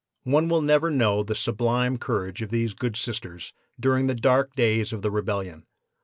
No one will ever know the sublime courage of these good Sisters during the dark days of the Rebellion.